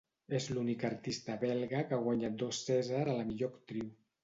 És l'única artista belga que ha guanyat dos Cèsar a la millor actriu.